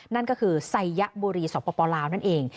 นั่นก็คือไซยบุรีสปลาวนั่นเอง